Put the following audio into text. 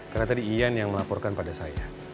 karena tadi ian yang melaporkan pada saya